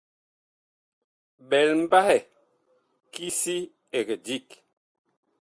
Ɓɛl mbahɛ ki si ɛg dig.